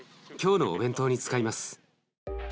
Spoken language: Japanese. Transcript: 今日のお弁当に使います。